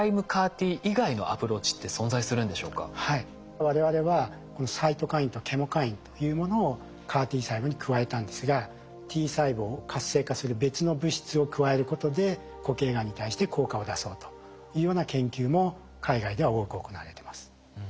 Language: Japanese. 我々はサイトカインとケモカインというものをＣＡＲ−Ｔ細胞に加えたんですがＴ細胞を活性化する別の物質を加えることで固形がんに対して効果を出そうというような研究も海外では多く行われてます。